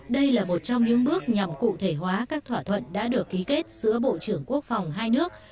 đây là một trong những bước nhằm cụ thể hóa các thỏa thuận đã được ký kết giữa bộ trưởng quốc phòng hai nước